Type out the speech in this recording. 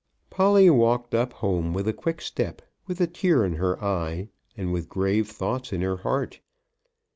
Polly, walked up home with a quick step, with a tear in her eye, and with grave thoughts in her heart.